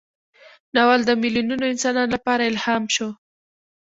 ناول د میلیونونو انسانانو لپاره الهام شو.